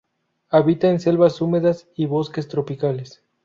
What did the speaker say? Habita en selvas húmedas y bosques tropicales.